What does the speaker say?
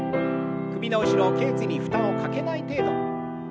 首の後ろけい椎に負担をかけない程度。